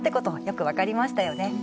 よく分かりましたよね。